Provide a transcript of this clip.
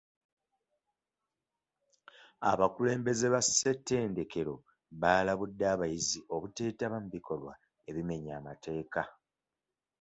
Abakulembeze ba ssetendekero baalabudde abayizi obuteetaba mu bikolwa ebimenya amateeka .